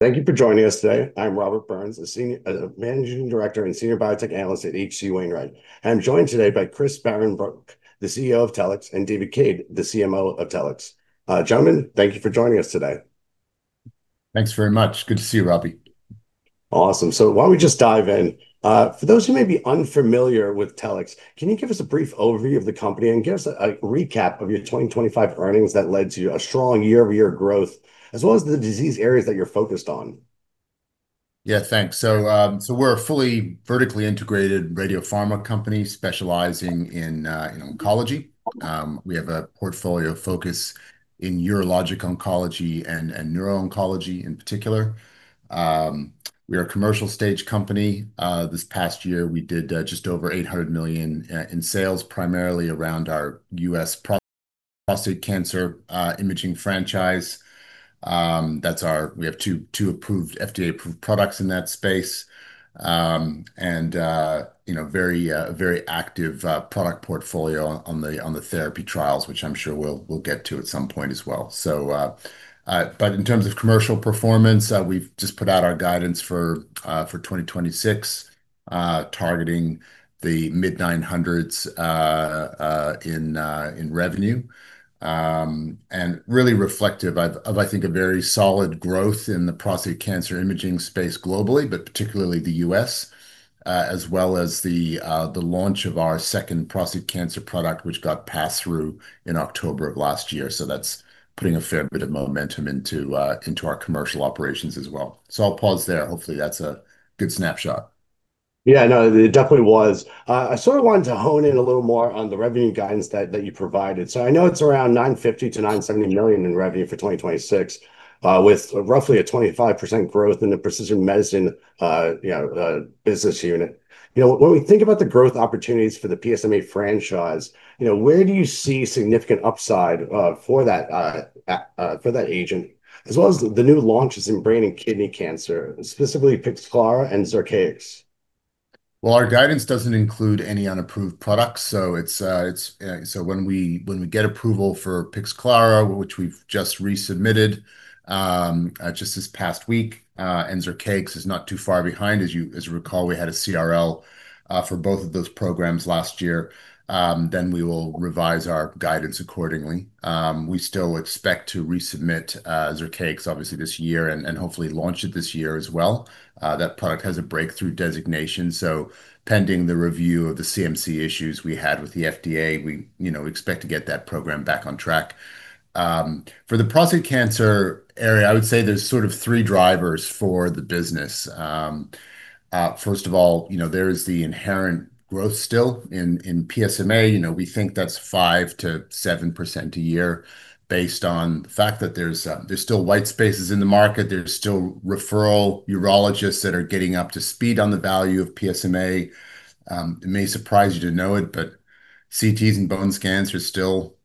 Thank you for joining us today. I'm Robert Burns, a managing director and senior biotech analyst at H.C. Wainwright. I'm joined today by Chris Behrenbruch, the CEO of Telix, and David Cade, the CMO of Telix. Gentlemen, thank you for joining us today. Thanks very much. Good to see you, Robbie. Awesome. Why don't we just dive in? For those who may be unfamiliar with Telix, can you give us a brief overview of the company and give us a recap of your 2025 earnings that led to a strong year-over-year growth, as well as the disease areas that you're focused on? Yeah, thanks. We're a fully vertically integrated radiopharma company specializing in oncology. We have a portfolio focus in urologic oncology and neuro-oncology in particular. We're a commercial stage company. This past year we did just over $800 million in sales, primarily around our U.S. prostate cancer imaging franchise. We have two FDA-approved products in that space. You know, very active product portfolio on the therapy trials, which I'm sure we'll get to at some point as well. In terms of commercial performance, we've just put out our guidance for 2026, targeting the mid-$900 million in revenue. Really reflective of, I think, a very solid growth in the prostate cancer imaging space globally, but particularly the U.S., as well as the launch of our second prostate cancer product, which got pass-through in October of last year. That's putting a fair bit of momentum into our commercial operations as well. I'll pause there. Hopefully, that's a good snapshot. Yeah, no, it definitely was. I sort of wanted to hone in a little more on the revenue guidance that you provided. I know it's around $950 million-$970 million in revenue for 2026, with roughly a 25% growth in the Precision Medicine business unit. You know, when we think about the growth opportunities for the PSMA franchise, you know, where do you see significant upside for that agent, as well as the new launches in brain and kidney cancer, specifically Pixclara and Zircaix? Well, our guidance doesn't include any unapproved products, so it's. So when we get approval for Pixclara, which we've just resubmitted just this past week, and Zircaix is not too far behind. As you recall, we had a CRL for both of those programs last year. We will revise our guidance accordingly. We still expect to resubmit Zircaix, obviously this year, and hopefully launch it this year as well. That product has a breakthrough designation, so pending the review of the CMC issues we had with the FDA, we, you know, expect to get that program back on track. For the prostate cancer area, I would say there's sort of three drivers for the business. First of all, you know, there's the inherent growth still in PSMA. You know, we think that's 5%-7% a year based on the fact that there's still white spaces in the market. There's still referral urologists that are getting up to speed on the value of PSMA. It may surprise you to know it, but CTs and bone scans are still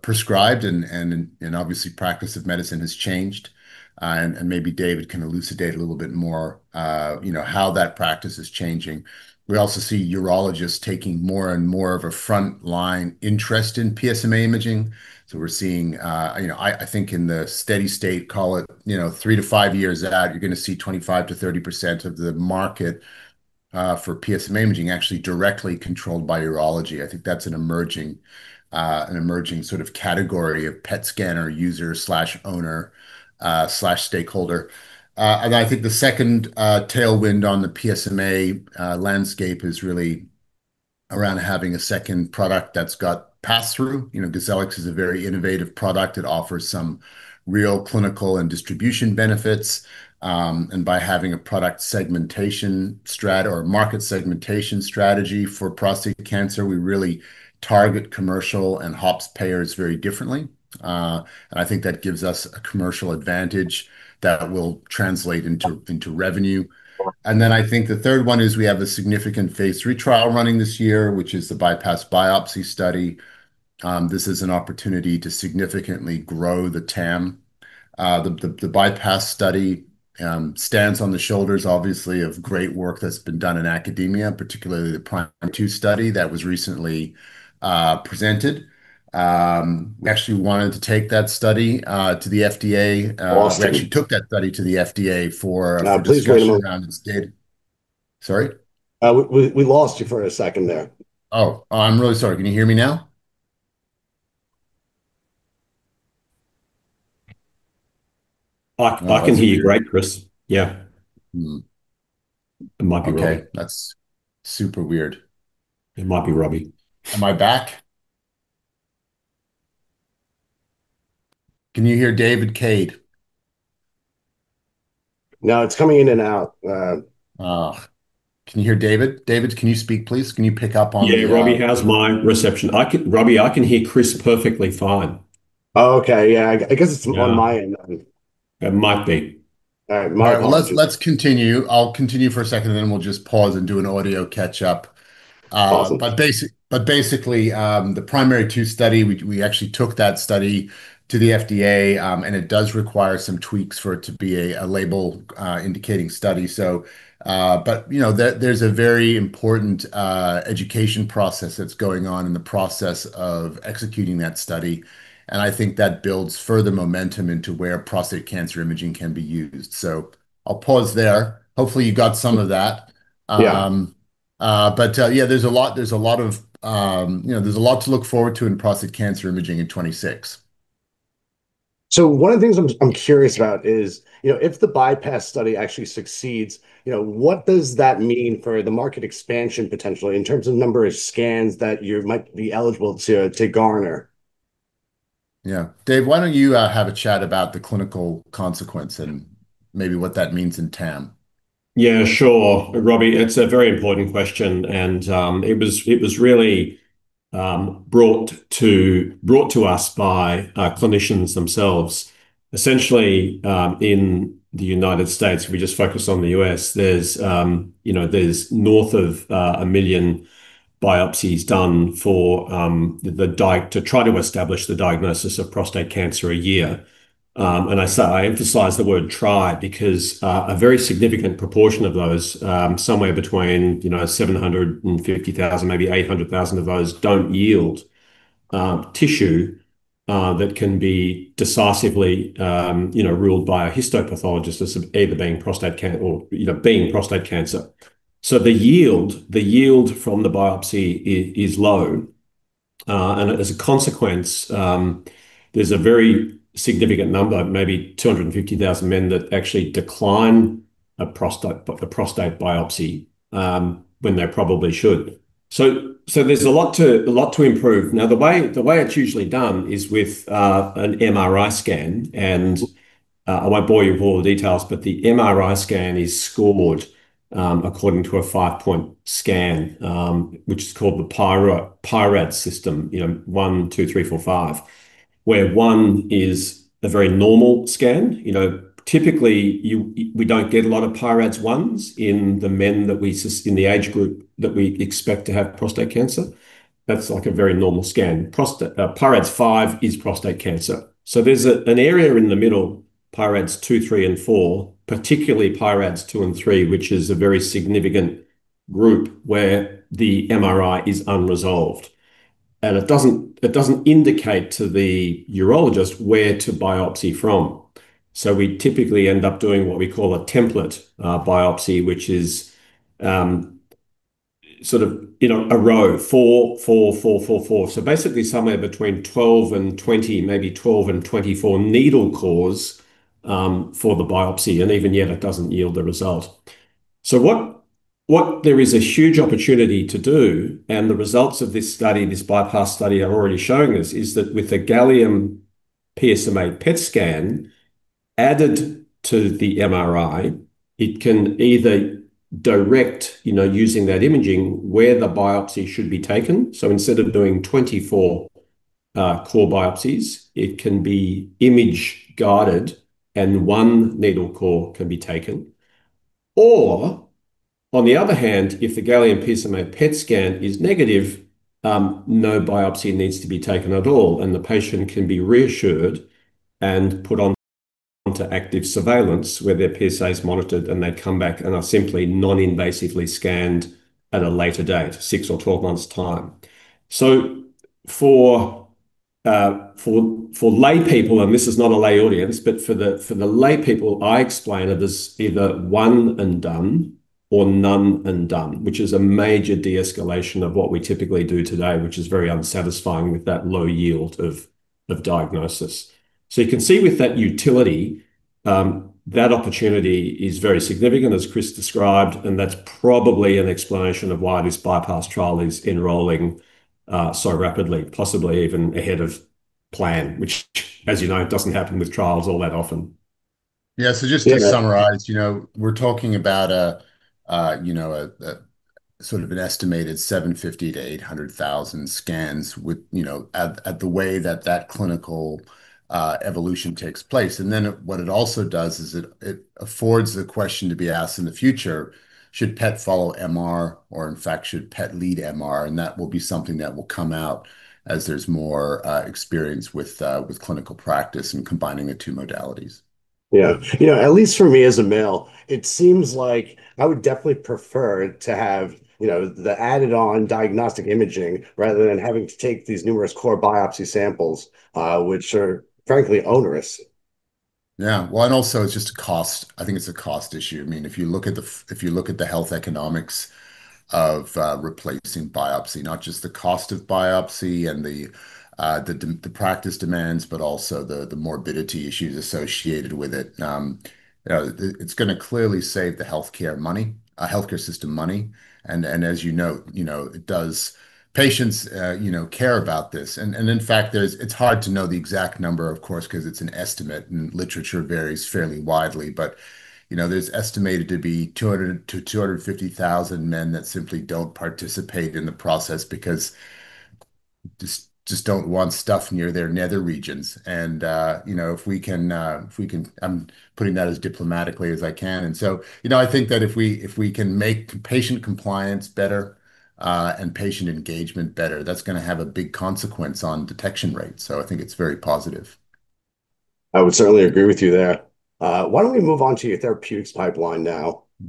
prescribed and obviously practice of medicine has changed. Maybe David can elucidate a little bit more, you know, how that practice is changing. We also see urologists taking more and more of a front line interest in PSMA imaging. So we're seeing. I think in the steady state, call it, you know, three to five years out, you're gonna see 25%-30% of the market for PSMA imaging actually directly controlled by urology. I think that's an emerging sort of category of PET scanner user/owner/stakeholder. I think the second tailwind on the PSMA landscape is really around having a second product that's got pass-through. You know, Gozellix is a very innovative product. It offers some real clinical and distribution benefits. By having a product segmentation or market segmentation strategy for prostate cancer, we really target commercial and OPPS payers very differently. I think that gives us a commercial advantage that will translate into revenue. I think the third one is we have a significant phase III trial running this year, which is the BiPASS trial. This is an opportunity to significantly grow the TAM. The BiPASS study stands on the shoulders, obviously, of great work that's been done in academia, particularly PRIMARY2 study that was recently presented. We actually wanted to take that study to the FDA. Lost you. We actually took that study to the FDA. No, please wait a moment. Did. Sorry? We lost you for a second there. Oh, I'm really sorry. Can you hear me now? I can hear you, right, Chris? Yeah. It might be Robbie. Okay. That's super weird. It might be Robbie. Am I back? Can you hear David Cade? No, it's coming in and out. Can you hear David? David, can you speak, please? Can you pick up on the, Yeah. Robbie, how's my reception? Robbie, I can hear Chris perfectly fine. Oh, okay. Yeah. I guess it's on my end then. It might be. All right. My apologies. Let's continue. I'll continue for a second, and then we'll just pause and do an audio catch-up. Awesome. Basically, PRIMARY2 study, we actually took that study to the FDA, and it does require some tweaks for it to be a label indicating study. You know, there's a very important education process that's going on in the process of executing that study, and I think that builds further momentum into where prostate cancer imaging can be used. I'll pause there. Hopefully, you got some of that. There's a lot of, you know, to look forward to in prostate cancer imaging in 2026. One of the things I'm curious about is, you know, if the BiPASS study actually succeeds, you know, what does that mean for the market expansion potential in terms of number of scans that you might be eligible to garner? Yeah. Dave, why don't you have a chat about the clinical consequence and maybe what that means in TAM? Yeah, sure. Robbie, it's a very important question, and it was really brought to us by our clinicians themselves. Essentially, in the United States, if we just focus on the U.S., you know, there's north of 1 million biopsies done to try to establish the diagnosis of prostate cancer a year. I emphasize the word try because a very significant proportion of those, somewhere between, you know, 750,000, maybe 800,000 of those, don't yield tissue that can be decisively ruled by a histopathologist as either being prostate cancer. The yield from the biopsy is low, and as a consequence, there's a very significant number, maybe 250,000 men, that actually decline a prostate biopsy when they probably should. There's a lot to improve. The way it's usually done is with an MRI scan, and I won't bore you with all the details, but the MRI scan is scored according to a five-point scale, which is called the PI-RADS system, you know, 1, 2, 3, 4, 5, where 1 is a very normal scan. You know, typically we don't get a lot of PI-RADS 1s in the men in the age group that we expect to have prostate cancer. That's like a very normal scan. PI-RADS 5 is prostate cancer. There's an area in the middle, PI-RADS 2, 3, and 4, particularly PI-RADS 2 and 3, which is a very significant group where the MRI is unresolved, and it doesn't indicate to the urologist where to biopsy from. We typically end up doing what we call a template biopsy, which is sort of, you know, a row, 4, 4, 4. Basically somewhere between 12 and 20, maybe 12 and 24 needle cores for the biopsy, and even yet it doesn't yield a result. There is a huge opportunity to do, and the results of this study, this BiPASS trial have already shown this, is that with a gallium PSMA PET scan added to the MRI, it can either direct, you know, using that imaging, where the biopsy should be taken. Instead of doing 24 core biopsies, it can be image-guided and one needle core can be taken, or, on the other hand, if the gallium PSMA PET scan is negative, no biopsy needs to be taken at all, and the patient can be reassured and put on to active surveillance where their PSA is monitored, and they'd come back and are simply non-invasively scanned at a later date, six or 12 months' time. For laypeople, and this is not a lay audience, but for the laypeople, I explain it as either one and done or none and done, which is a major de-escalation of what we typically do today, which is very unsatisfying with that low yield of diagnosis. You can see with that utility, that opportunity is very significant, as Chris described, and that's probably an explanation of why this BiPASS trial is enrolling so rapidly, possibly even ahead of plan, which as you know, doesn't happen with trials all that often. Just to summarize, you know, we're talking about a sort of an estimated 750,000-800,000 scans with the way that clinical evolution takes place. What it also does is it affords the question to be asked in the future, should PET follow MR, or in fact, should PET lead MR. That will be something that will come out as there's more experience with clinical practice and combining the two modalities. Yeah. You know, at least for me as a male, it seems like I would definitely prefer to have, you know, the added-on diagnostic imaging rather than having to take these numerous core biopsy samples, which are frankly onerous. Yeah. Well, also, I think it's a cost issue. I mean, if you look at the health economics of replacing biopsy, not just the cost of biopsy and the practice demands, but also the morbidity issues associated with it, you know, it's gonna clearly save the healthcare system money and, as you know, you know, it does. Patients care about this and, in fact, it's hard to know the exact number, of course, 'cause it's an estimate, and literature varies fairly widely. You know, there's estimated to be 200,000-250,000 men that simply don't participate in the process because just don't want stuff near their nether regions and, you know, if we can I'm putting that as diplomatically as I can. You know, I think that if we can make patient compliance better, and patient engagement better, that's gonna have a big consequence on detection rates, so I think it's very positive. I would certainly agree with you there. Why don't we move on to your therapeutics pipeline now? You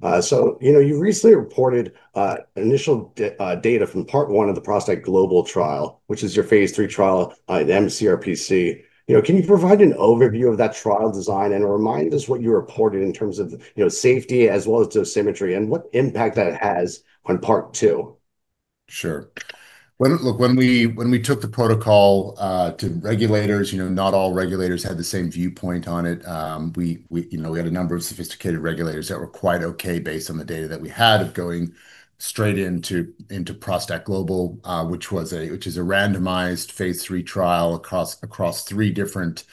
know, you recently reported initial data from Part 1 of the ProstACT Global trial, which is your phase III trial in mCRPC. You know, can you provide an overview of that trial design and remind us what you reported in terms of, you know, safety as well as dosimetry, and what impact that it has on Part 2? Sure. Look, when we took the protocol to regulators, you know, not all regulators had the same viewpoint on it. You know, we had a number of sophisticated regulators that were quite okay based on the data that we had of going straight into ProstACT Global, which is a randomized phase III trial across three different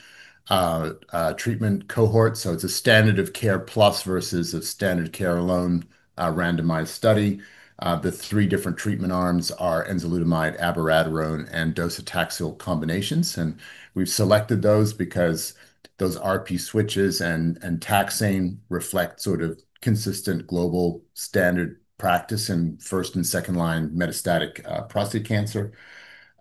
treatment cohorts. It's a standard of care plus versus a standard of care alone, randomized study. The three different treatment arms are enzalutamide, abiraterone, and docetaxel combinations. We've selected those because those ARPI switches and taxane reflect sort of consistent global standard practice in first and second line metastatic prostate cancer.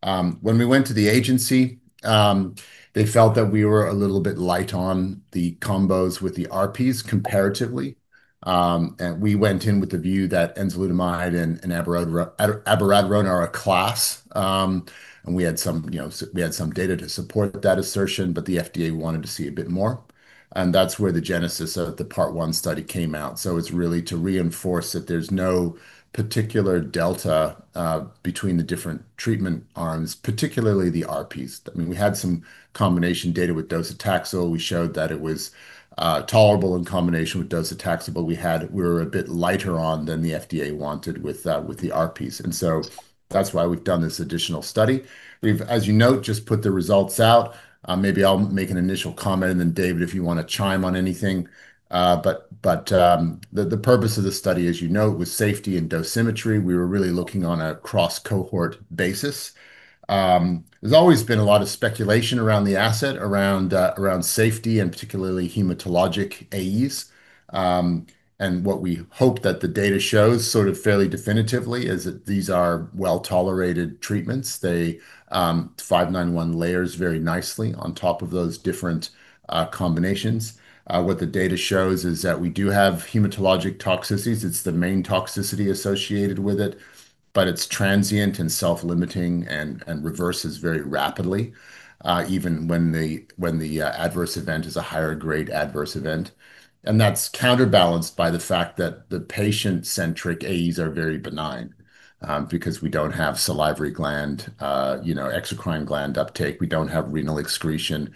When we went to the agency, they felt that we were a little bit light on the combos with the ARPIs comparatively. We went in with the view that enzalutamide and abiraterone are a class, and we had some, you know, data to support that assertion, but the FDA wanted to see a bit more. That's where the genesis of the Part 1 study came out. It's really to reinforce that there's no particular delta between the different treatment arms, particularly the ARPIs. I mean, we had some combination data with docetaxel. We showed that it was tolerable in combination with docetaxel, but we were a bit lighter on than the FDA wanted with the ARPIs. That's why we've done this additional study. We've, as you note, just put the results out. Maybe I'll make an initial comment, and then David, if you wanna chime on anything. The purpose of the study, as you know, was safety and dosimetry. We were really looking on a cross-cohort basis. There's always been a lot of speculation around the asset, around safety and particularly hematologic AEs. What we hope that the data shows sort of fairly definitively is that these are well-tolerated treatments. They, TLX591 lays very nicely on top of those different combinations. What the data shows is that we do have hematologic toxicities. It's the main toxicity associated with it, but it's transient and self-limiting and reverses very rapidly, even when the adverse event is a higher grade adverse event. That's counterbalanced by the fact that the patient-centric AEs are very benign, because we don't have salivary gland, you know, exocrine gland uptake. We don't have renal excretion.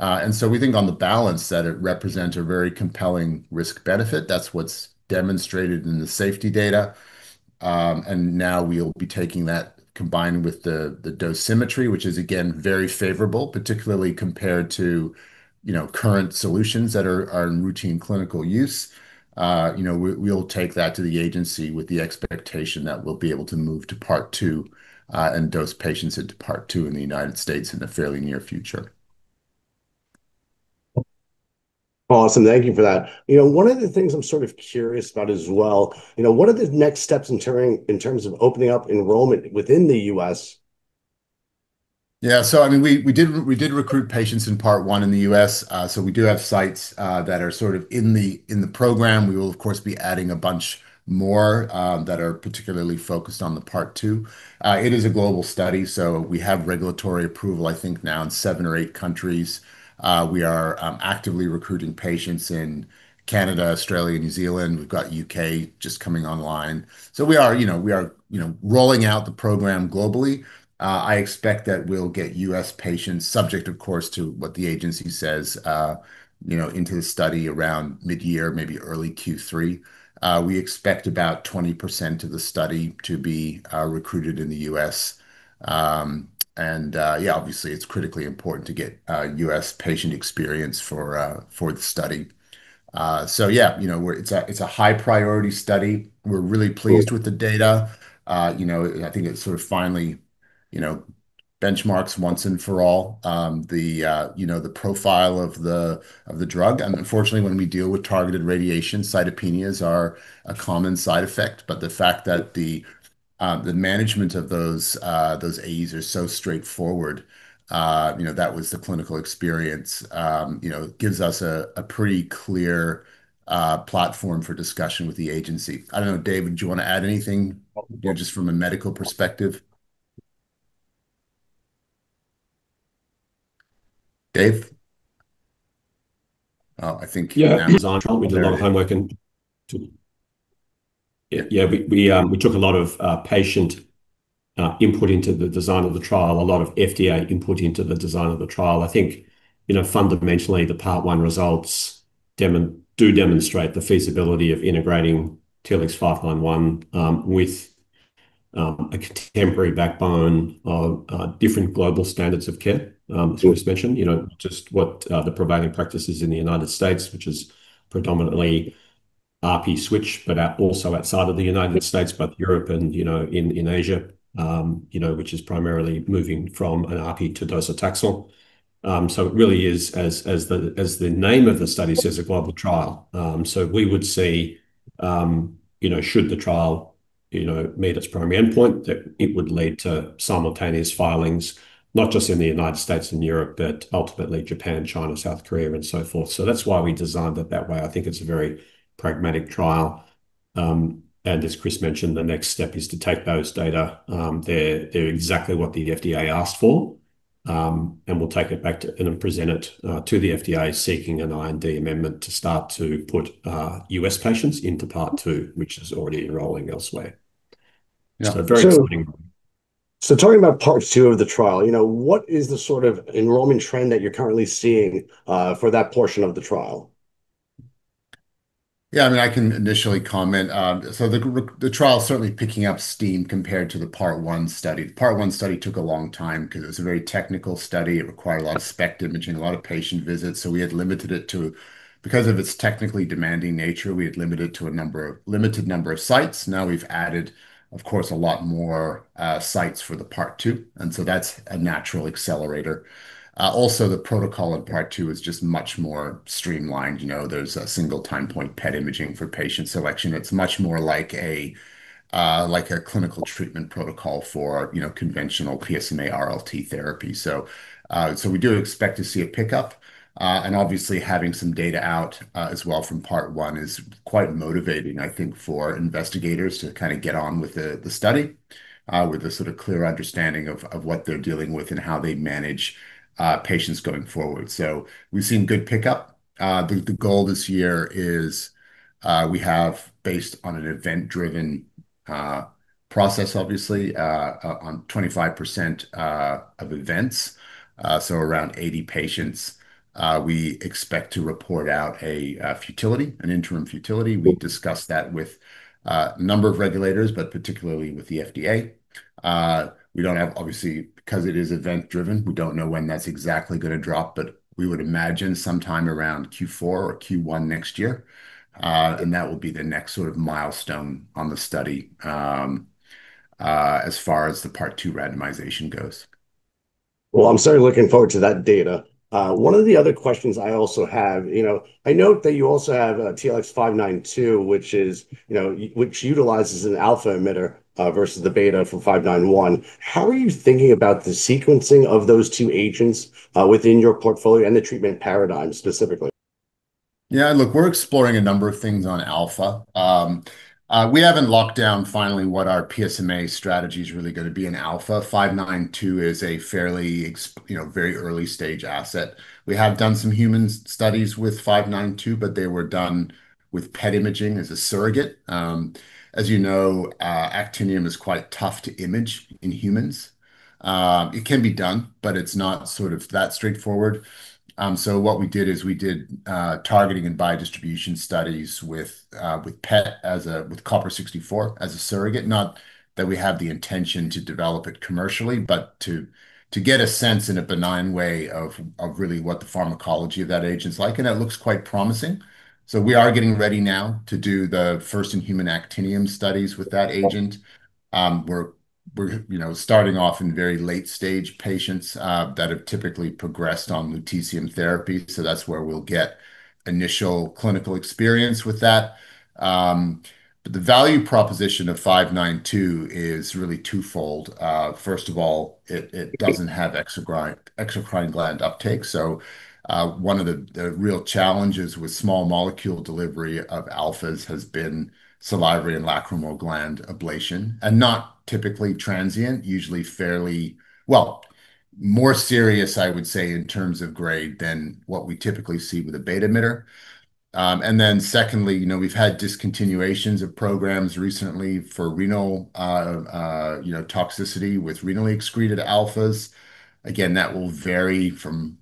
We think on the balance that it represents a very compelling risk-benefit. That's what's demonstrated in the safety data. Now we'll be taking that combined with the dosimetry, which is again, very favorable, particularly compared to, you know, current solutions that are in routine clinical use. You know, we'll take that to the agency with the expectation that we'll be able to move to Part 2 and dose patients into Part 2 in the United States in the fairly near future. Awesome. Thank you for that. You know, one of the things I'm sort of curious about as well, you know, what are the next steps in terms of opening up enrollment within the U.S.? Yeah. I mean, we did recruit patients in Part 1 in the U.S., so we do have sites that are sort of in the program. We will of course be adding a bunch more that are particularly focused on the Part 2. It is a global study, so we have regulatory approval, I think now in seven or eight countries. We are actively recruiting patients in Canada, Australia, New Zealand. We've got U.K. just coming online. We are you know rolling out the program globally. I expect that we'll get U.S. patients subject of course to what the agency says you know into the study around mid-year, maybe early Q3. We expect about 20% of the study to be recruited in the U.S. Yeah, obviously it's critically important to get U.S. patient experience for the study. You know, it's a high priority study. We're really pleased with the data. You know, I think it sort of finally benchmarks once and for all the profile of the drug. Unfortunately, when we deal with targeted radiation, cytopenias are a common side effect. The fact that the management of those AEs are so straightforward, you know, that was the clinical experience, gives us a pretty clear platform for discussion with the agency. I don't know, David, do you wanna add anything, you know, just from a medical perspective? Dave? I think he may have dropped off. Yeah. We did a lot of homework. We took a lot of patient input into the design of the trial, a lot of FDA input into the design of the trial. I think, you know, fundamentally, the Part 1 results do demonstrate the feasibility of integrating TLX591 with a contemporary backbone of different global standards of care, as Chris mentioned. You know, just what the prevailing practice is in the United States, which is predominantly ARPI switch, but also outside of the United States, both Europe and in Asia, which is primarily moving from an ARPI to docetaxel. It really is, as the name of the study says, a global trial. We would see, you know, should the trial, you know, meet its primary endpoint, that it would lead to simultaneous filings, not just in the United States and Europe, but ultimately Japan, China, South Korea, and so forth. That's why we designed it that way. I think it's a very pragmatic trial. As Chris mentioned, the next step is to take those data. They're exactly what the FDA asked for. We'll present it to the FDA seeking an IND amendment to start to put U.S. patients into Part 2, which is already enrolling elsewhere. Yeah. Very exciting. Talking about Part 2 of the trial, you know, what is the sort of enrollment trend that you're currently seeing for that portion of the trial? Yeah, I mean, I can initially comment. So the trial is certainly picking up steam compared to the Part 1 study. The Part 1 study took a long time because it was a very technical study. It required a lot of SPECT imaging, a lot of patient visits, so we had limited it to a limited number of sites because of its technically demanding nature. Now we've added, of course, a lot more sites for the Part 2, and so that's a natural accelerator. Also the protocol of Part 2 is just much more streamlined. You know, there's a single time point PET imaging for patient selection. It's much more like a clinical treatment protocol for, you know, conventional PSMA RLT therapy. We do expect to see a pickup and obviously having some data out as well from Part 1 is quite motivating, I think, for investigators to kinda get on with the study with a sort of clear understanding of what they're dealing with and how they manage patients going forward. We've seen good pickup. The goal this year is, we have based on an event-driven process, obviously, on 25% of events, so around 80 patients, we expect to report out a futility, an interim futility. We discussed that with a number of regulators, but particularly with the FDA. We don't have, obviously, because it is event-driven, we don't know when that's exactly gonna drop, but we would imagine sometime around Q4 or Q1 next year, and that will be the next sort of milestone on the study, as far as the Part 2 randomization goes. Well, I'm certainly looking forward to that data. One of the other questions I also have, you know, I note that you also have TLX592, which is, you know, which utilizes an alpha emitter, versus the beta from TLX591. How are you thinking about the sequencing of those two agents, within your portfolio and the treatment paradigm specifically? Yeah, look, we're exploring a number of things on alpha. We haven't locked down finally what our PSMA strategy is really gonna be in alpha. TLX592 is a fairly you know, very early stage asset. We have done some human studies with TLX592, but they were done with PET imaging as a surrogate. As you know, actinium is quite tough to image in humans. It can be done, but it's not sort of that straightforward. So what we did is we did targeting and biodistribution studies with copper-64 as a surrogate. Not that we have the intention to develop it commercially, but to get a sense in a benign way of really what the pharmacology of that agent's like, and it looks quite promising. We are getting ready now to do the first in human actinium studies with that agent. We're you know starting off in very late stage patients that have typically progressed on lutetium therapy. That's where we'll get initial clinical experience with that. The value proposition of TLX592 is really twofold. First of all, it doesn't have exocrine gland uptake. One of the real challenges with small molecule delivery of alphas has been salivary and lacrimal gland ablation, and not typically transient, usually fairly well more serious, I would say, in terms of grade than what we typically see with a beta emitter. Then secondly, you know, we've had discontinuations of programs recently for renal you know toxicity with renally excreted alphas. Again, that will vary from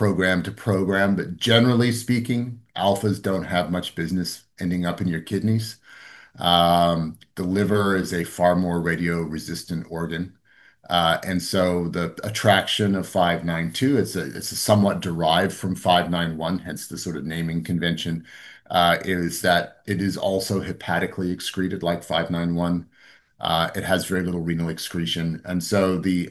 program to program, but generally speaking, alphas don't have much business ending up in your kidneys. The liver is a far more radio-resistant organ, and so the attraction of TLX592, it's somewhat derived from TLX591, hence the sort of naming convention, is that it is also hepatically excreted like TLX591. It has very little renal excretion, and so the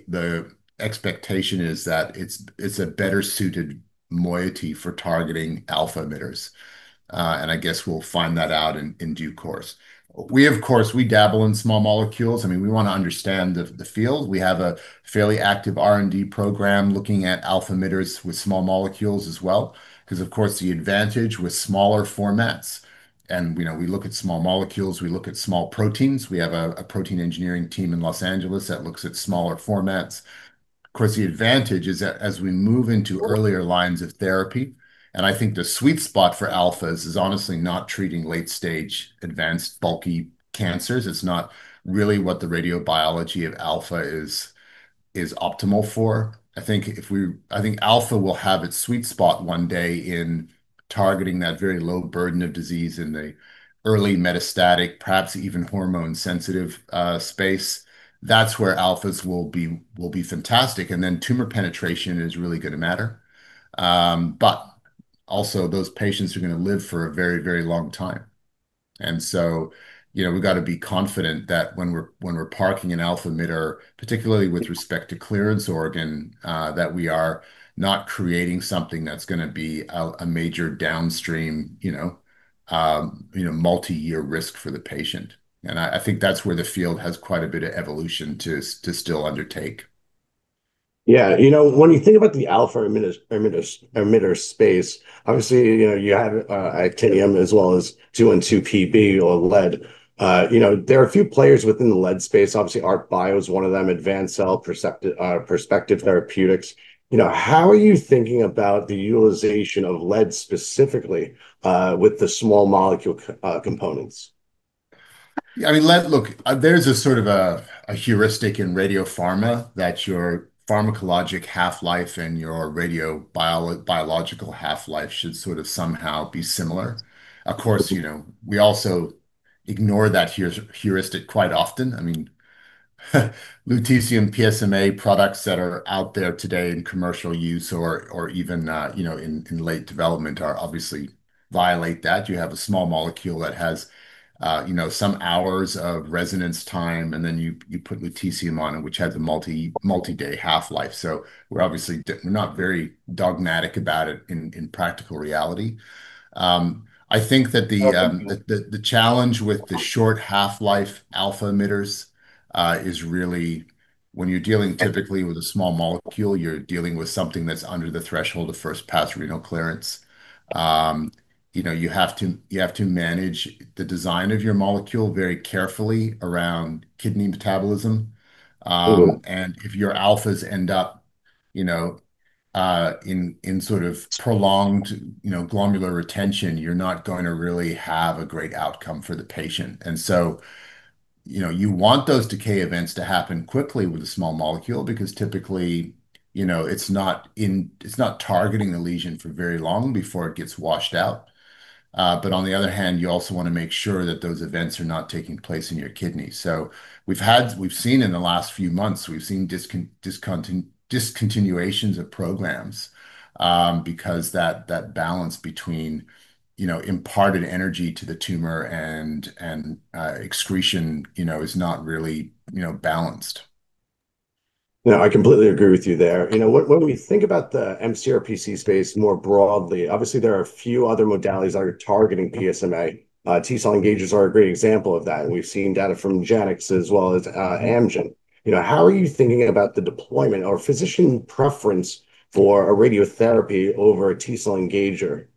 expectation is that it's a better suited moiety for targeting alpha emitters, and I guess we'll find that out in due course. We, of course, dabble in small molecules. I mean, we wanna understand the field. We have a fairly active R&D program looking at alpha emitters with small molecules as well 'cause, of course, the advantage with smaller formats, and, you know, we look at small molecules, we look at small proteins. We have a protein engineering team in Los Angeles that looks at smaller formats. Of course, the advantage is that as we move into earlier lines of therapy, and I think the sweet spot for alphas is honestly not treating late stage advanced bulky cancers. It's not really what the radio biology of alpha is optimal for. I think alpha will have its sweet spot one day in targeting that very low burden of disease in the early metastatic, perhaps even hormone-sensitive, space. That's where alphas will be fantastic, and then tumor penetration is really gonna matter. But also those patients are gonna live for a very, very long time. You know, we've got to be confident that when we're parking an alpha emitter, particularly with respect to clearance organ, that we are not creating something that's gonna be a major downstream, you know, multi-year risk for the patient. I think that's where the field has quite a bit of evolution to still undertake. Yeah, you know, when you think about the alpha emitter space, obviously, you know, you have actinium as well as 212 Pb or lead. You know, there are a few players within the lead space. Obviously, ARTBIO is one of them, Perspective Therapeutics. You know, how are you thinking about the utilization of lead specifically with the small molecule components? Yeah, I mean, look, there's sort of a heuristic in radiopharma that your pharmacologic half-life and your radiobiological half-life should somehow be similar. Of course, you know, we also ignore that heuristic quite often. I mean, lutetium PSMA products that are out there today in commercial use or even in late development are obviously violate that. You have a small molecule that has some hours of residence time, and then you put lutetium on it, which has a multi-day half-life. We're obviously not very dogmatic about it in practical reality. I think that the challenge with the short half-life alpha emitters is really when you're dealing typically with a small molecule, you're dealing with something that's under the threshold of first pass renal clearance. You know, you have to manage the design of your molecule very carefully around kidney metabolism. If your alphas end up, you know, in sort of prolonged glomerular retention, you're not going to really have a great outcome for the patient. You know, you want those decay events to happen quickly with a small molecule because typically, you know, it's not targeting the lesion for very long before it gets washed out. On the other hand, you also wanna make sure that those events are not taking place in your kidneys. We've seen in the last few months discontinuations of programs because that balance between, you know, imparted energy to the tumor and excretion, you know, is not really, you know, balanced. No, I completely agree with you there. You know, when we think about the mCRPC space more broadly, obviously there are a few other modalities that are targeting PSMA. T-cell engagers are a great example of that, and we've seen data from Genix as well as, Amgen. You know, how are you thinking about the deployment or physician preference for a radiotherapy over a T-cell engager?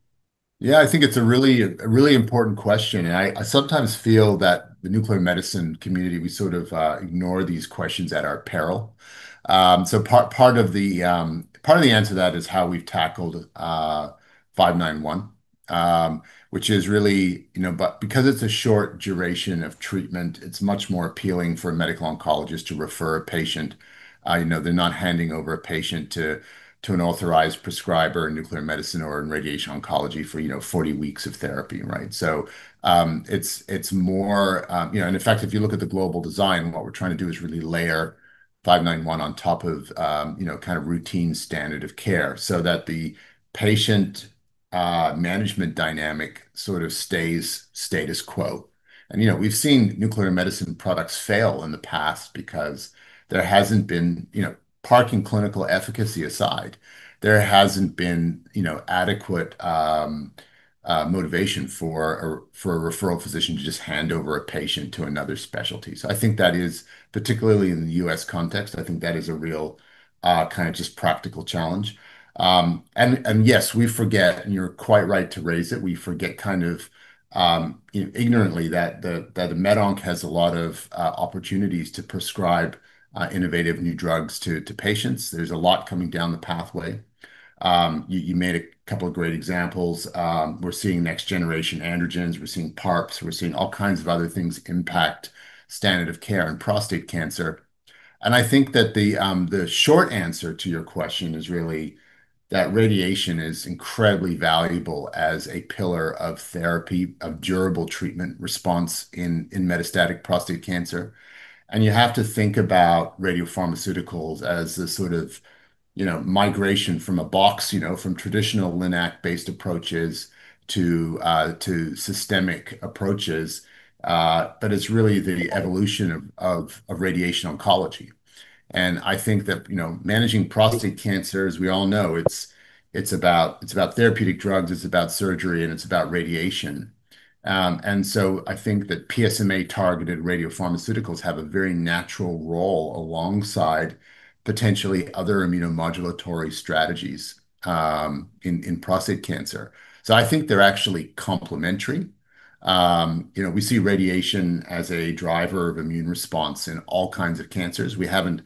Yeah, I think it's a really important question, and I sometimes feel that the nuclear medicine community, we sort of ignore these questions at our peril. Part of the answer to that is how we've tackled TLX591, which is really, you know. Because it's a short duration of treatment, it's much more appealing for a medical oncologist to refer a patient. You know, they're not handing over a patient to an authorized prescriber in nuclear medicine or in radiation oncology for, you know, 40 weeks of therapy, right? It's more. You know, in fact, if you look at the global design, what we're trying to do is really layer TLX591 on top of, you know, kind of routine standard of care so that the patient management dynamic sort of stays status quo. You know, we've seen nuclear medicine products fail in the past because there hasn't been, you know, putting clinical efficacy aside, there hasn't been, you know, adequate motivation for a referral physician to just hand over a patient to another specialty. I think that is, particularly in the U.S. context, I think that is a real kind of just practical challenge. Yes, we forget kind of, you know, ignorantly that the med onc has a lot of opportunities to prescribe innovative new drugs to patients. There's a lot coming down the pathway. You made a couple of great examples. We're seeing next generation androgens, we're seeing PARPs, we're seeing all kinds of other things impact standard of care in prostate cancer. I think that the short answer to your question is really that radiation is incredibly valuable as a pillar of therapy, of durable treatment response in metastatic prostate cancer, and you have to think about radiopharmaceuticals as a sort of, you know, migration from a box, you know, from traditional LINAC-based approaches to systemic approaches. It's really the evolution of radiation oncology. I think that, you know, managing prostate cancer, as we all know, it's about therapeutic drugs, it's about surgery, and it's about radiation. I think that PSMA-targeted radiopharmaceuticals have a very natural role alongside potentially other immunomodulatory strategies in prostate cancer. I think they're actually complementary. You know, we see radiation as a driver of immune response in all kinds of cancers. We haven't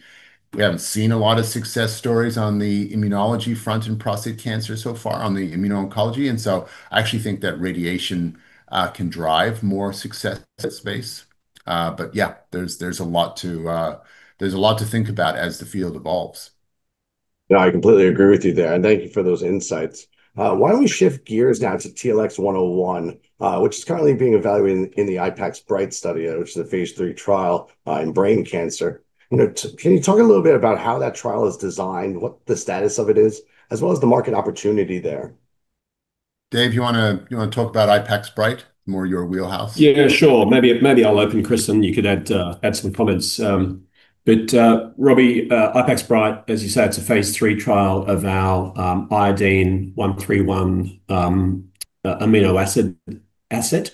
seen a lot of success stories on the immunology front in prostate cancer so far on the immuno-oncology, and I actually think that radiation can drive more success in that space. Yeah, there's a lot to think about as the field evolves. No, I completely agree with you there, and thank you for those insights. Why don't we shift gears now to TLX101, which is currently being evaluated in the IPAX BrIGHT study, which is a phase III trial, in brain cancer. You know, can you talk a little bit about how that trial is designed, what the status of it is, as well as the market opportunity there? Dave, you wanna talk about IPAX BrIGHT? More your wheelhouse. Yeah, sure. Maybe I'll open, Chris, you could add some comments. But Robbie, IPAX BrIGHT, as you say, it's a phase III trial of our iodine-131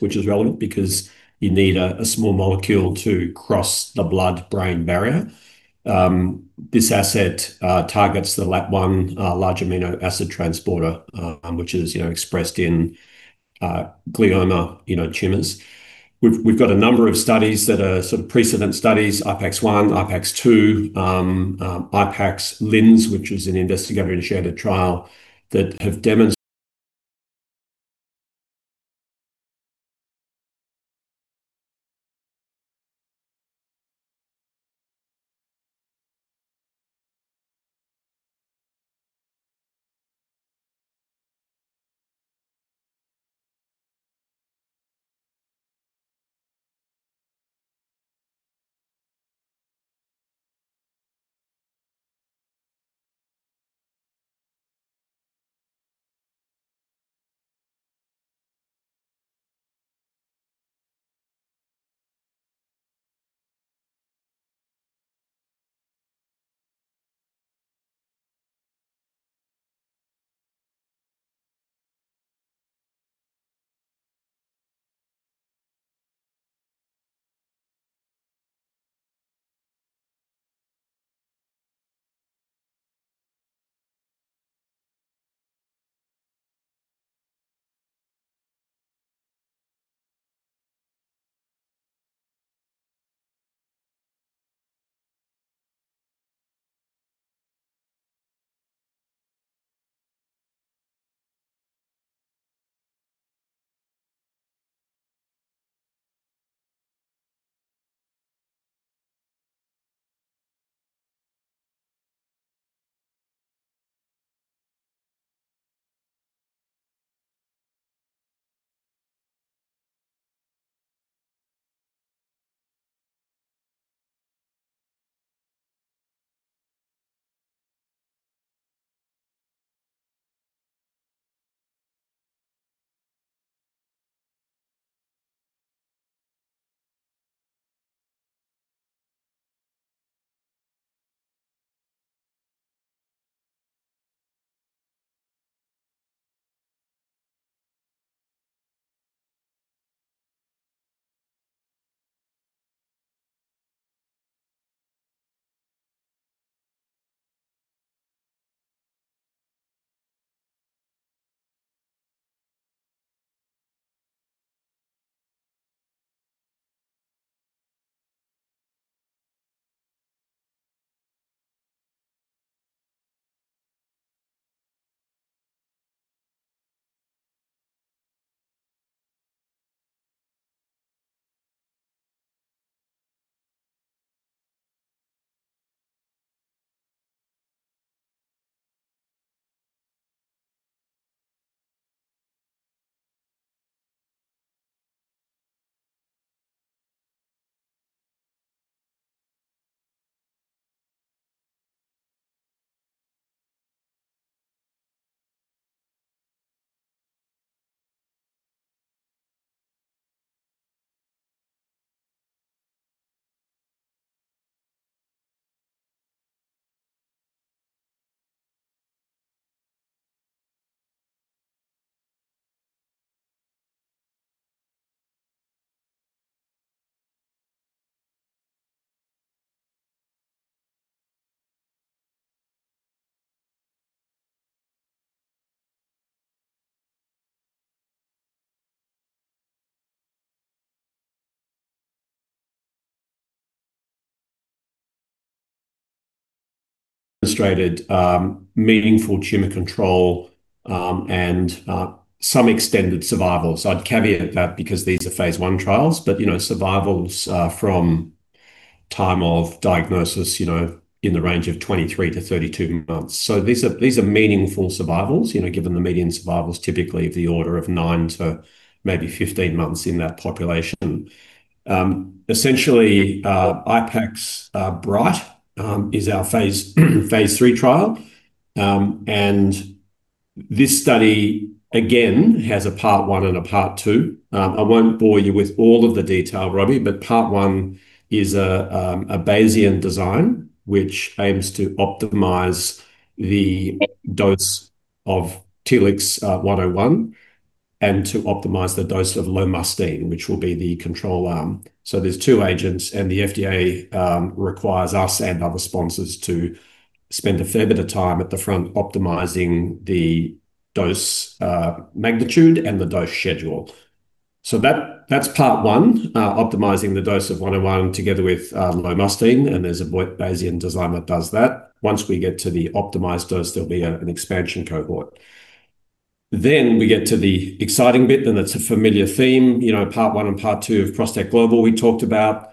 demonstrated meaningful tumor control and some extended survival. I'd caveat that because these are phase I trials, but you know, survivals from time of diagnosis you know in the range of 23-32 months. These are meaningful survivals you know given the median survivals typically of the order of nine to 15 months in that population. Essentially, IPAX BrIGHT is our phase III trial. This study again has a part 1 and a part 2. I won't bore you with all of the detail, Robbie, but Part 1 is a Bayesian design which aims to optimize the dose of TLX101, and to optimize the dose of lomustine, which will be the control arm. There's two agents, and the FDA requires us and other sponsors to spend a fair bit of time at the front optimizing the dose magnitude and the dose schedule. That's Part 1, optimizing the dose of TLX101 together with lomustine, and there's a Bayesian design that does that. Once we get to the optimized dose, there'll be an expansion cohort. We get to the exciting bit, and it's a familiar theme, you know, Part 1 and Part 2 of ProstACT Global we talked about.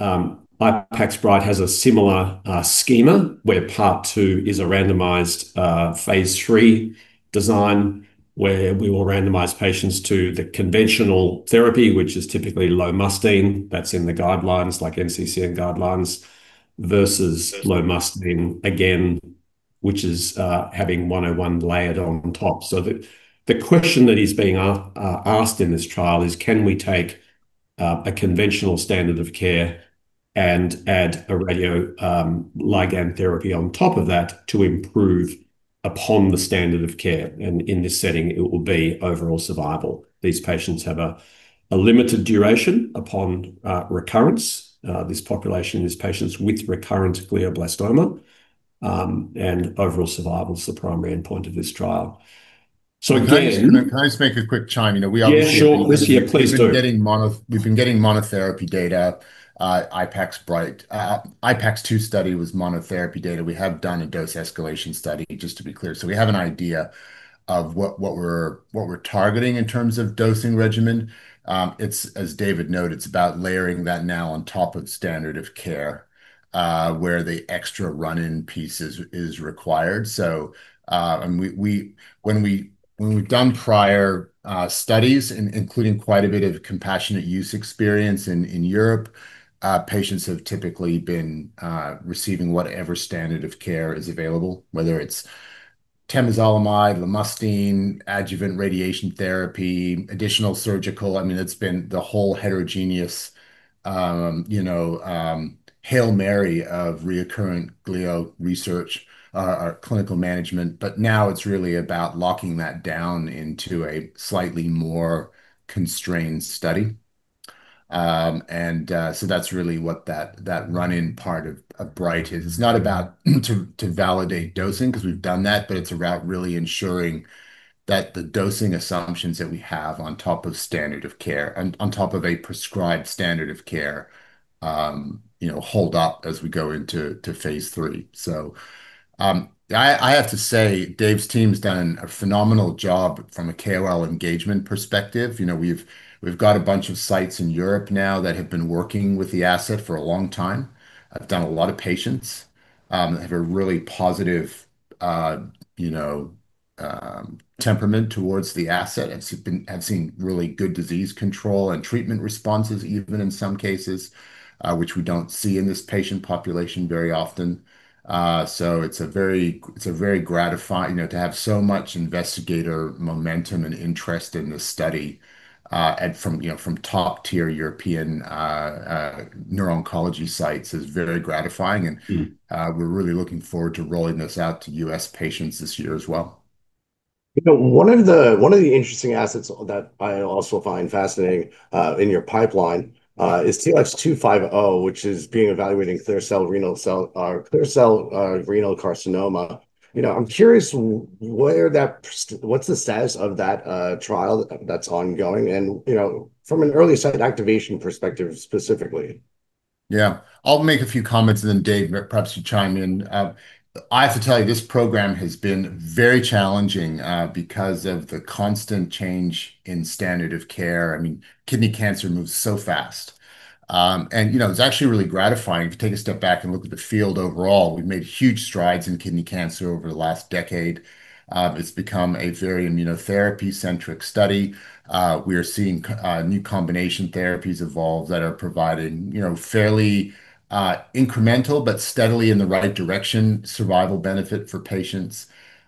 IPAX BrIGHT has a similar schema where Part 2 is a randomized phase III design where we will randomize patients to the conventional therapy, which is typically lomustine. That's in the guidelines like NCCN guidelines versus lomustine again, which is having TLX101 layered on top. The question that is being asked in this trial is can we take A conventional standard of care and add a radioligand therapy on top of that to improve upon the standard of care. In this setting, it will be overall survival. These patients have a limited duration upon recurrence. This population is patients with recurrent glioblastoma, and overall survival is the primary endpoint of this trial. Again- Can I just make a quick chime in? Yeah, sure. Please do. We've been getting monotherapy data, IPAX BrIGHT. IPAX-2 study was monotherapy data. We have done a dose escalation study, just to be clear. We have an idea of what we're targeting in terms of dosing regimen. It's, as David noted, it's about layering that now on top of standard of care, where the extra run-in piece is required. We've done prior studies, including quite a bit of compassionate use experience in Europe, patients have typically been receiving whatever standard of care is available. Whether it's temozolomide, lomustine, adjuvant radiation therapy, additional surgical. I mean, it's been the whole heterogeneous Hail Mary of recurring glioblastoma research, or clinical management. Now it's really about locking that down into a slightly more constrained study. That's really what that run-in part of BrIGHT is. It's not about to validate dosing because we've done that, but it's about really ensuring that the dosing assumptions that we have on top of standard of care and on top of a prescribed standard of care, you know, hold up as we go into phase three. I have to say, Dave's team has done a phenomenal job from a KOL engagement perspective. You know, we've got a bunch of sites in Europe now that have been working with the asset for a long time, have done a lot of patients, have a really positive, you know, temperament towards the asset, and have seen really good disease control and treatment responses even in some cases, which we don't see in this patient population very often. So it's a very gratifying. You know, to have so much investigator momentum and interest in this study, and from, you know, top-tier European neuro-oncology sites is very gratifying. We're really looking forward to rolling this out to U.S. patients this year as well. You know, one of the interesting assets that I also find fascinating in your pipeline is TLX250, which is being evaluated in clear cell renal cell carcinoma. You know, I'm curious. What's the status of that trial that's ongoing and, you know, from an early site activation perspective specifically? Yeah. I'll make a few comments, and then Dave perhaps you chime in. I have to tell you, this program has been very challenging, because of the constant change in standard of care. I mean, kidney cancer moves so fast. You know, it's actually really gratifying to take a step back and look at the field overall. We've made huge strides in kidney cancer over the last decade. It's become a very immunotherapy-centric study. We are seeing new combination therapies evolve that are providing, you know, fairly, incremental but steadily in the right direction, survival benefit for patients.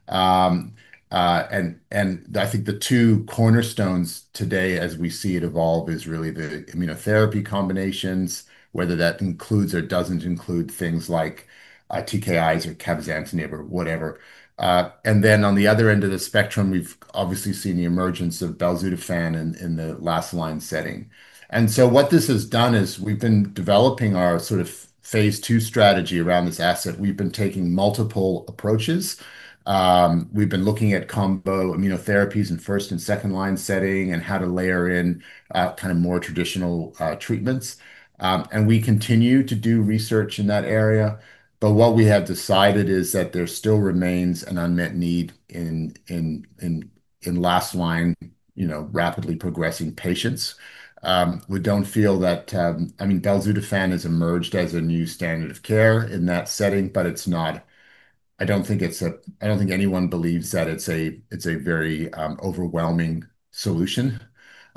I think the two cornerstones today as we see it evolve is really the immunotherapy combinations, whether that includes or doesn't include things like, TKIs or cabozantinib or whatever. On the other end of the spectrum, we've obviously seen the emergence of belzutifan in the last-line setting. What this has done is we've been developing our sort of phase II strategy around this asset. We've been taking multiple approaches. We've been looking at combo immunotherapies in first- and second-line setting and how to layer in kind of more traditional treatments. We continue to do research in that area. What we have decided is that there still remains an unmet need in last-line, you know, rapidly progressing patients. We don't feel that. I mean, belzutifan has emerged as a new standard of care in that setting, but it's not. I don't think anyone believes that it's a very overwhelming solution.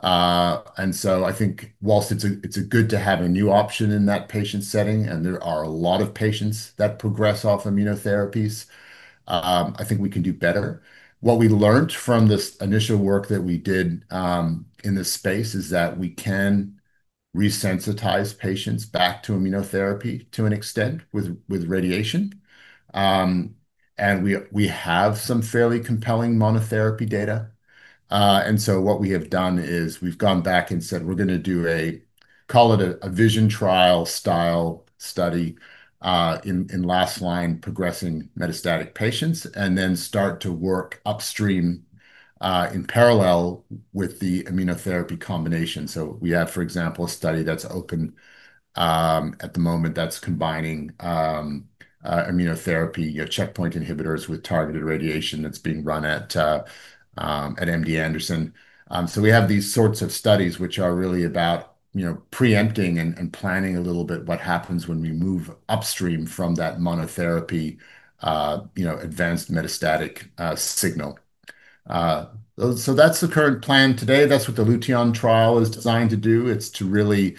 I think while it's good to have a new option in that patient setting, and there are a lot of patients that progress off immunotherapies, I think we can do better. What we learned from this initial work that we did in this space is that we can resensitize patients back to immunotherapy to an extent with radiation. What we have done is we've gone back and said, we're gonna do a, call it a VISION trial style study in last line progressing metastatic patients, and then start to work upstream in parallel with the immunotherapy combination. We have, for example, a study that's open, at the moment that's combining, immunotherapy, your checkpoint inhibitors with targeted radiation that's being run at MD Anderson. We have these sorts of studies which are really about, you know, preempting and planning a little bit what happens when we move upstream from that monotherapy, you know, advanced metastatic signal. That's the current plan today. That's what the Lutetium trial is designed to do. It's to really,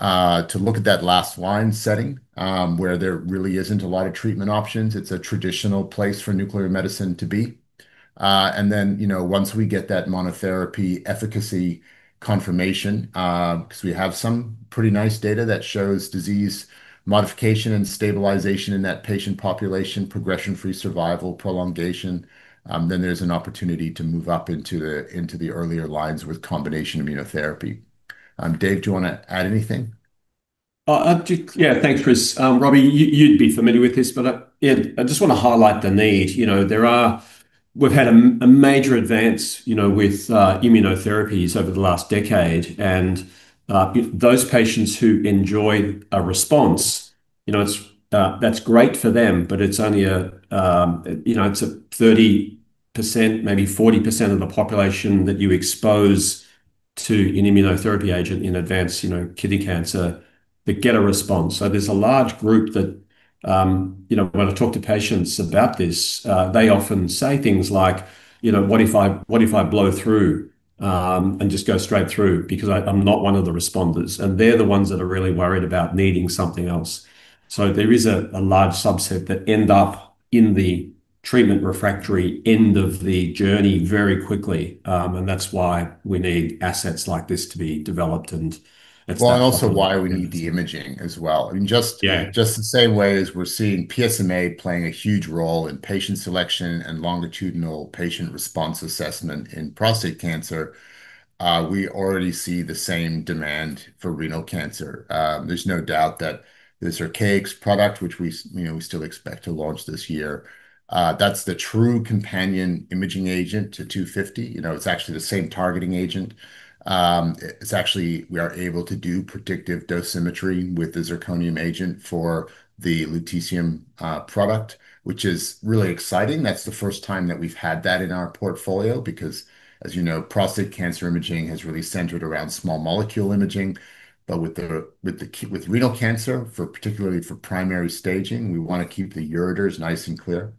to look at that last line setting, where there really isn't a lot of treatment options. It's a traditional place for nuclear medicine to be. Once we get that monotherapy efficacy confirmation, 'cause we have some pretty nice data that shows disease modification and stabilization in that patient population, progression-free survival prolongation, then there's an opportunity to move up into the earlier lines with combination immunotherapy. Dave, do you wanna add anything? Thanks, Chris. Robbie, you'd be familiar with this, but yeah, I just wanna highlight the need. You know, we've had a major advance, you know, with immunotherapies over the last decade, and if those patients who enjoy a response, you know, that's great for them, but it's only a, you know, it's a 30%, maybe 40% of the population that you expose to an immunotherapy agent in advanced, you know, kidney cancer that get a response. There's a large group that, you know, when I talk to patients about this, they often say things like, you know, "What if I blow through and just go straight through because I'm not one of the responders?" They're the ones that are really worried about needing something else. There is a large subset that end up in the treatment refractory end of the journey very quickly, and that's why we need assets like this to be developed and so on. Well, also why we need the imaging as well. Yeah. Just the same way as we're seeing PSMA playing a huge role in patient selection and longitudinal patient response assessment in prostate cancer, we already see the same demand for renal cancer. There's no doubt that the Zircaix product, which we, you know, we still expect to launch this year, that's the true companion imaging agent to TLX250. You know, it's actually the same targeting agent. It's actually, we are able to do predictive dosimetry with the zirconium agent for the lutetium product, which is really exciting. That's the first time that we've had that in our portfolio because, as you know, prostate cancer imaging has really centered around small molecule imaging. But with renal cancer, for particularly for primary staging, we wanna keep the ureters nice and clear.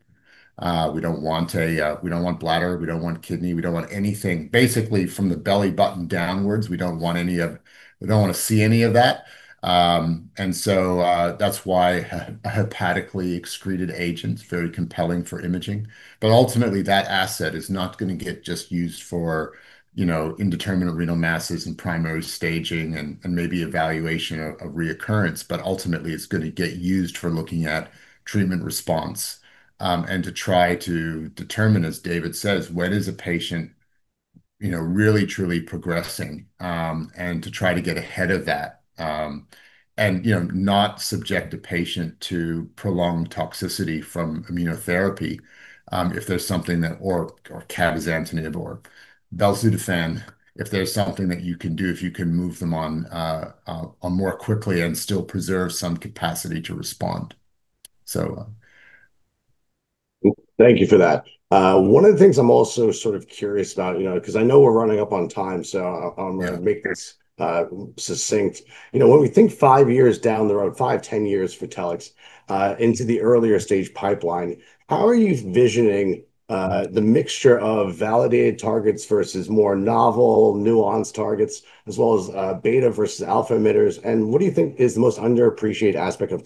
We don't want bladder, we don't want kidney, we don't want anything basically from the belly button downwards. We don't want any of that. We don't wanna see any of that. That's why a hepatically excreted agent's very compelling for imaging. Ultimately, that asset is not gonna get just used for, you know, indeterminate renal masses and primary staging and maybe evaluation of recurrence, but ultimately, it's gonna get used for looking at treatment response, and to try to determine, as David says, when is a patient, you know, really truly progressing, and to try to get ahead of that, and, you know, not subject the patient to prolonged toxicity from immunotherapy, if there's something that or cabozantinib or belzutifan, if there's something that you can do, if you can move them on more quickly and still preserve some capacity to respond. Thank you for that. One of the things I'm also sort of curious about, you know, 'cause I know we're running up on time, so I'm gonna make this succinct. You know, when we think five years down the road, five, 10 years for Telix, into the earlier stage pipeline, how are you visioning the mixture of validated targets versus more novel nuanced targets, as well as beta versus alpha emitters, and what do you think is the most underappreciated aspect of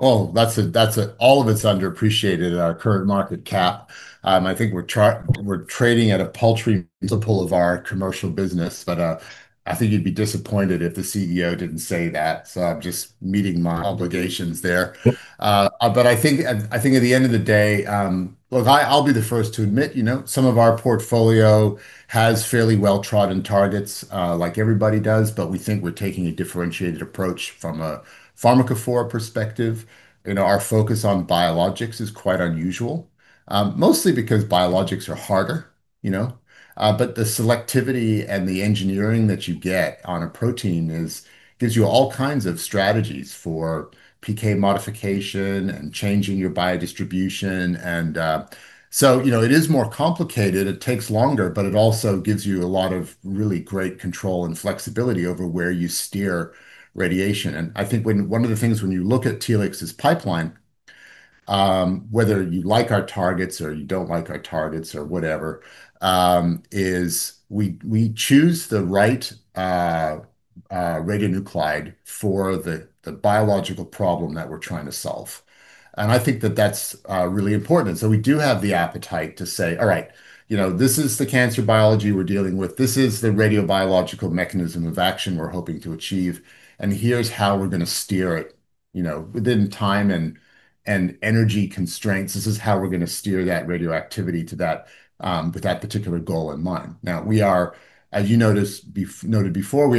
Telix? All of it's underappreciated at our current market cap. I think we're trading at a paltry multiple of our commercial business, but I think you'd be disappointed if the CEO didn't say that, so I'm just meeting my obligations there. I think at the end of the day, look, I'll be the first to admit, you know, some of our portfolio has fairly well-trodden targets, like everybody does, but we think we're taking a differentiated approach from a pharmacophore perspective. You know, our focus on biologics is quite unusual, mostly because biologics are harder, you know. But the selectivity and the engineering that you get on a protein is, gives you all kinds of strategies for PK modification and changing your biodistribution. You know, it is more complicated, it takes longer, but it also gives you a lot of really great control and flexibility over where you steer radiation. I think one of the things when you look at Telix's pipeline, whether you like our targets or you don't like our targets or whatever, is we choose the right radionuclide for the biological problem that we're trying to solve. I think that that's really important. We do have the appetite to say, "All right, you know, this is the cancer biology we're dealing with. This is the radiobiological mechanism of action we're hoping to achieve, and here's how we're gonna steer it," you know, within time and energy constraints. This is how we're gonna steer that radioactivity to that, with that particular goal in mind. Now, we are, as you noted before, we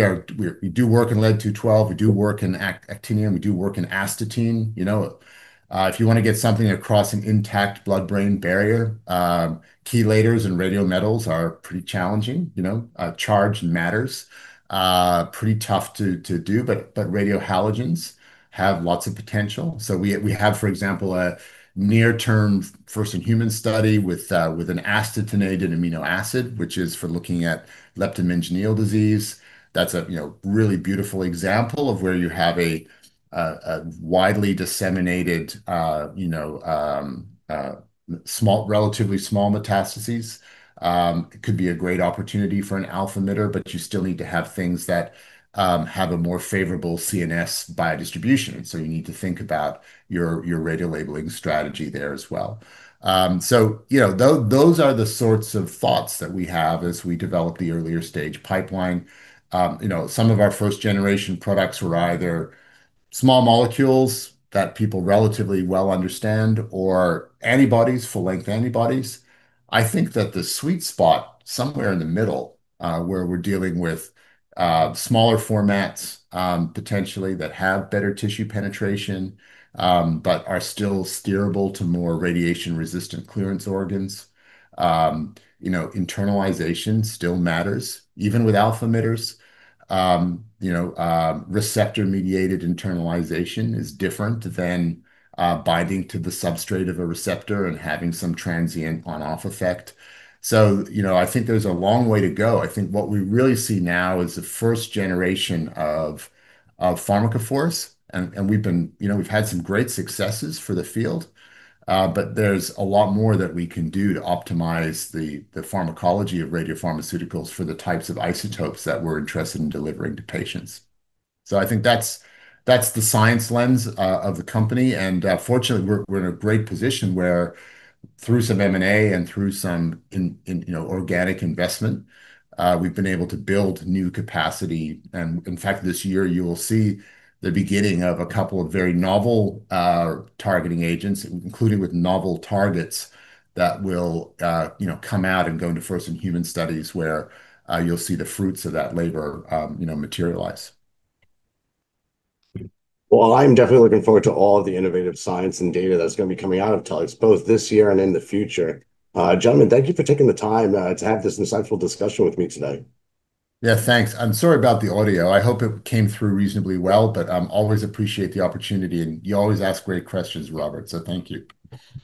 do work in lead-212, we do work in actinium, we do work in astatine. You know, if you wanna get something across an intact blood-brain barrier, chelators and radiometals are pretty challenging. You know, charge matters. Pretty tough to do, but radiohalogens have lots of potential. We have, for example, a near-term first-in-human study with an astatinated amino acid, which is for looking at leptomeningeal disease. That's a, you know, really beautiful example of where you have a widely disseminated, small, relatively small metastases. It could be a great opportunity for an alpha emitter, but you still need to have things that have a more favorable CNS biodistribution. You need to think about your radiolabeling strategy there as well. You know, those are the sorts of thoughts that we have as we develop the earlier stage pipeline. You know, some of our first generation products were either small molecules that people relatively well understand or antibodies, full-length antibodies. I think that the sweet spot somewhere in the middle, where we're dealing with smaller formats potentially that have better tissue penetration, but are still steerable to more radiation-resistant clearance organs. You know, internalization still matters, even with alpha emitters. You know, receptor-mediated internalization is different than binding to the substrate of a receptor and having some transient on/off effect. You know, I think there's a long way to go. I think what we really see now is the first generation of pharmacophores. You know, we've had some great successes for the field, but there's a lot more that we can do to optimize the pharmacology of radiopharmaceuticals for the types of isotopes that we're interested in delivering to patients. I think that's the science lens of the company, and fortunately we're in a great position where through some M&A and through some, you know, organic investment, we've been able to build new capacity. In fact, this year you will see the beginning of a couple of very novel targeting agents, including with novel targets that will, you know, come out and go into first in human studies where you'll see the fruits of that labor, you know, materialize. Well, I'm definitely looking forward to all of the innovative science and data that's gonna be coming out of Telix both this year and in the future. Gentlemen, thank you for taking the time to have this insightful discussion with me today. Yeah, thanks. I'm sorry about the audio. I hope it came through reasonably well, but always appreciate the opportunity, and you always ask great questions, Robert, so thank you.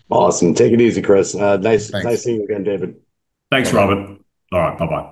Awesome. Take it easy, Chris. Thanks. Nice seeing you again, David. Thanks, Robert. All right. Bye-bye.